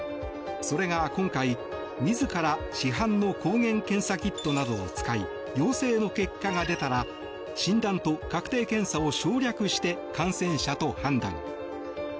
それが今回、自ら市販の抗原検査キットなどを使い陽性の結果が出たら診断と確定検査を省略して感染者と判断。